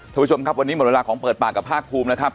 ท่านผู้ชมครับวันนี้หมดเวลาของเปิดปากกับภาคภูมินะครับ